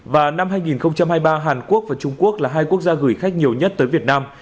và năm hai nghìn hai mươi ba hàn quốc và trung quốc là hai quốc gia gửi khách nhiều nhất tới việt nam